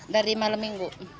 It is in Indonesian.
dari malam minggu